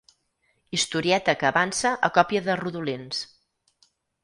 Historieta que avança a còpia de rodolins.